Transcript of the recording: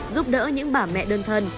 giúp đỡ những bà mẹ đơn thân